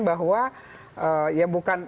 bahwa ya bukan